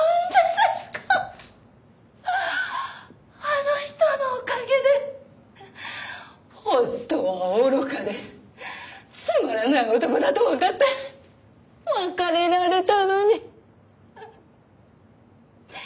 あの人のおかげで夫が愚かでつまらない男だとわかって別れられたのに。